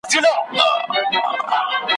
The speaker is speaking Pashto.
غوايي هم وکړل پاچا ته سلامونه `